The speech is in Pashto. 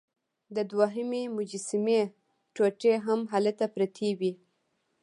د دوهمې مجسمې ټوټې هم هلته پرتې وې.